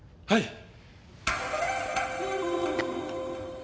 はい。